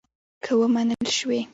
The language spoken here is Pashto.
که ومنل شوې.